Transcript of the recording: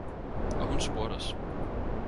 Og hun spurgte os